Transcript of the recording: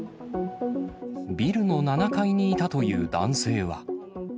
ビルの７階にいたという男性は。